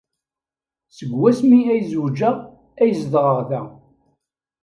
Seg wasmi ay zewjeɣ ay zedɣeɣ da.